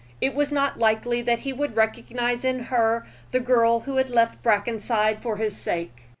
It was not likely that he would recognize in her the girl who had left Brackenside for his sake.